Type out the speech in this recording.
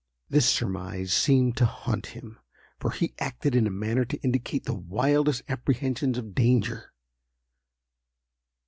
This surmise seemed to haunt him, for he acted in a manner to indicate the wildest apprehensions of danger.